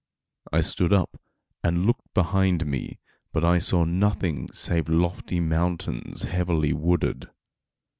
I stood up and looked behind me, but I saw nothing save lofty mountains heavily wooded.